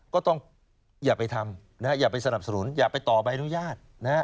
ก็ต้องอย่าไปทำอย่าไปสนับสนุนอย่าไปต่อใบอนุญาต